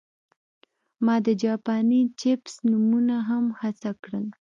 ما د جاپاني چپس نومونه هم هڅه کړل